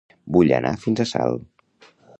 Vull anar fins a Salt.